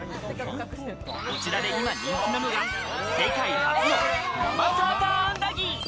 こちらで今人気なのが世界初の生サーターアンダギー。